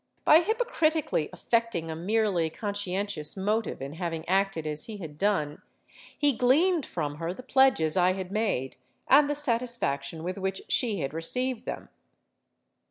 By hypocritically affecting a merely conscientious motive in having acted as he had done, he gleaned from her the pledges I had made and the satisfaction with which she had received them.